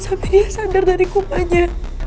sampai dia sadar dari kupanya